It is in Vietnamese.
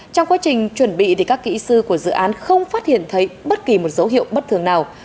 trong quá trình chuẩn bị các kỹ sư của dự án không phát hiện thấy bất kỳ một dấu hiệu bất thường nào